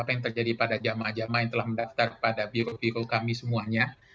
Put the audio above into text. yang terjadi pada jemaah jemaah yang telah mendaftar pada biru biru kami semuanya